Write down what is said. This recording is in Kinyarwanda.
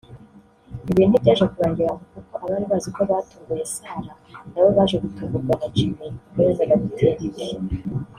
Ibi ntibyaje kurangirira aho kuko abari baziko batunguye Sarah nabo baje gutungurwa na Jimmy ubwo yazaga gutera ivi